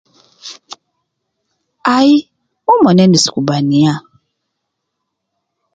Ayi umon endis kubaniyaa